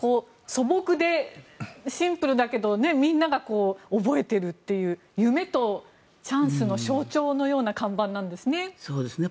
素朴でシンプルだけどみんなが覚えてるという夢とチャンスの象徴のような看板なんですね。